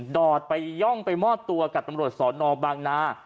ดอดไปย่องไปมอบตัวกับตำรวจสอนอบางนา